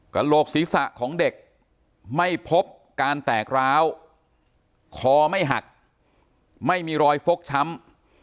โหลกศีรษะของเด็กไม่พบการแตกร้าวคอไม่หักไม่มีรอยฟกช้ำ